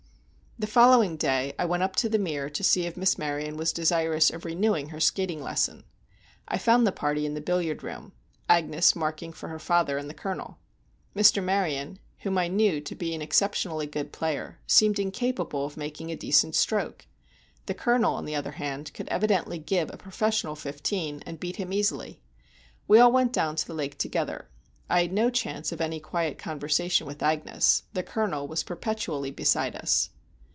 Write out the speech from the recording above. The following day I went up to The Mere to see if Miss Maryon was desirous of renewing her skating lesson. I found the party in the billiard room, Agnes marking for her father and the Colonel. Mr. Maryon, whom I knew to be an exceptionally good player, seemed incapable of making a decent stroke; the Colonel, on the other hand, could evidently give a professional fifteen, and beat him easily. We all went down to the lake together. I had no chance of any quiet conversation with Agnes; the Colonel was perpetually beside us.